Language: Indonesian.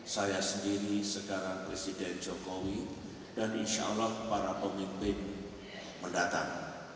saya sendiri sekarang presiden jokowi dan insya allah para pemimpin mendatang